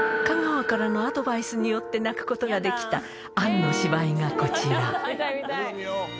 香川からのアドバイスによって泣くことができた杏の芝居がこちら。